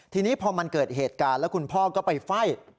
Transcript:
ทีนี้พอมันเกิดเหตุการณ์แล้วคุณพ่อก็ไปไฟ่